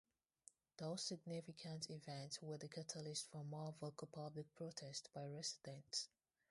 Those significant events were the catalysts for more vocal public protests by residents.